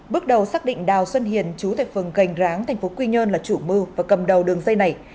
bước đầu xác định đào xuân hiền chú thệ phần gành ráng thành phố quy nhơn là chủ mưu và cầm đầu đường dây này